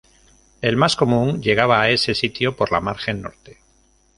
El más común llegaba a ese sitio por la margen norte.